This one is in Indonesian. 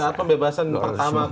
saat pembebasan pertama